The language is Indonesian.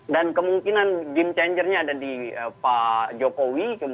dan kemungkinan game changernya ada di pak jokowi